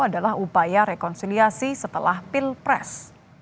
adalah upaya rekonsiliasi setelah pilpres